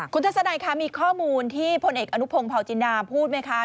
คุณทัศนัยคะมีข้อมูลที่พลเอกอนุพงศ์เผาจินดาพูดไหมคะ